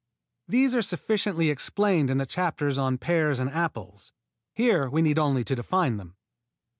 These are sufficiently explained in the chapters on pears and apples. Here we need only to define them.